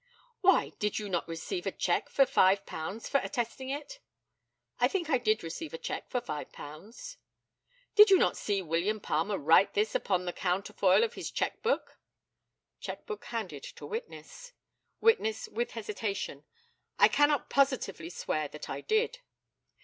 Why, did you not receive a cheque for £5 for attesting it? I think I did receive a cheque for £5. Did you not see William Palmer write this upon the counterfoil of his cheque book [cheque book handed to witness]? Witness, with hesitation: I cannot positively swear that I did.